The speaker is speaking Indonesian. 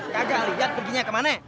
kagak liat perginya kemana